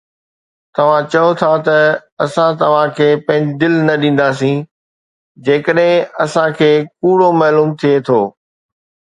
توهان چئو ٿا ته اسان توهان کي پنهنجي دل نه ڏينداسين جيڪڏهن اسان کي ڪوڙو معلوم ٿئي ٿو